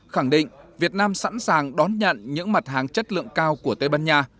khẳng định việt nam sẵn sàng đón nhận những mặt hàng chất lượng cao của tây ban nha